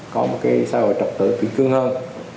có một cái xã hội trật tự kỷ cương hơn